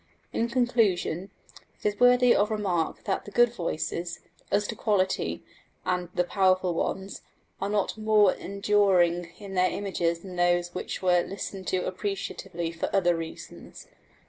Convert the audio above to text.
In conclusion, it is worthy of remark that the good voices, as to quality, and the powerful ones, are not more enduring in their images than those which were listened to appreciatively for other reasons.